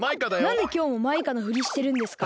なんできょうもマイカのふりしてるんですか？